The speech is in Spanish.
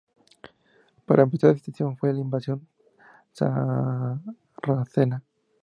Para empeorar la situación fue la invasión sarracena.